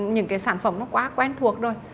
những cái sản phẩm nó quá quen thuộc rồi